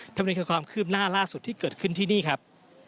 นี่คือความคืบหน้าล่าสุดที่เกิดขึ้นที่นี่ครับ